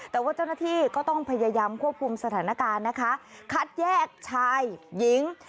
แต่ว่าเจ้าหน้าที่ก็ต้องพยายามควบคุมสถานการณ์นะคะคัดแยกชายหญิง